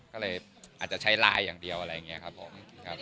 ก็เลยอาจจะใช้ไลน์อย่างเดียวอะไรอย่างนี้ครับผม